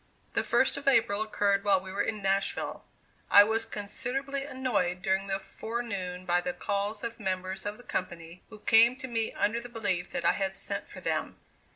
The first of April occurred while we were in Nashville. I was considerably annoyed during the forenoon by the calls of members of the company who came to me under the belief that I had sent for them.